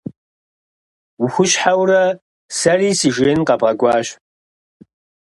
Ухущхьэурэ сэри си жеин къэбгъэкӏуащ.